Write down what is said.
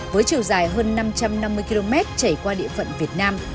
với chiều dài hơn năm trăm năm mươi km chảy qua địa phận việt nam